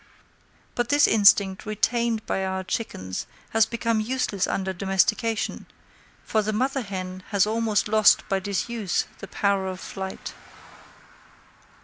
But this instinct retained by our chickens has become useless under domestication, for the mother hen has almost lost by disuse the power of flight.